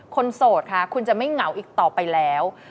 โสดค่ะคุณจะไม่เหงาอีกต่อไปแล้ว